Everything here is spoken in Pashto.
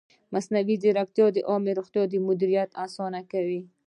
مصنوعي ځیرکتیا د عامې روغتیا مدیریت اسانه کوي.